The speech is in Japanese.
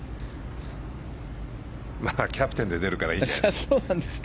キャプテンで出るからいいじゃないですか。